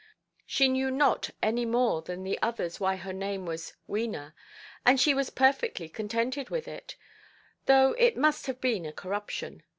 She knew not any more than the others why her name was "Wena", and she was perfectly contented with it, though it must have been a corruption.